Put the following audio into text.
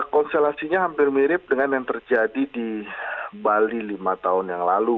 konstelasinya hampir mirip dengan yang terjadi di bali lima tahun yang lalu